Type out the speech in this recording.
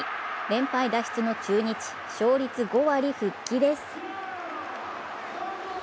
連敗脱出の中日、勝率５割復帰です。